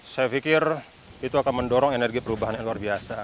saya pikir itu akan mendorong energi perubahan yang luar biasa